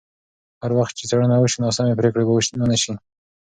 هر وخت چې څېړنه وشي، ناسمې پرېکړې به ونه شي.